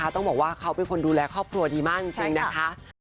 ต้องบอกว่าเขาเป็นคนดูแลครอบครัวดีมากจริงนะคะ